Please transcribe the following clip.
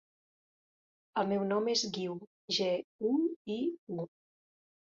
El meu nom és Guiu: ge, u, i, u.